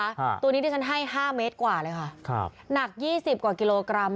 อ่าตัวนี้ที่ฉันให้ห้าเมตรกว่าเลยค่ะครับหนักยี่สิบกว่ากิโลกรัม